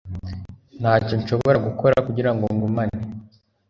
ntacyo nshobora gukora kugirango ngumane